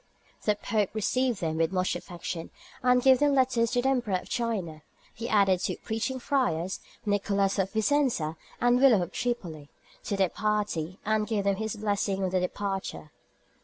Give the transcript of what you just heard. The Pope received them with much affection, and gave them letters to the Emperor of China; he added two preaching friars, Nicholas of Vicenza and William of Tripoli, to their party, and gave them his blessing on their departure.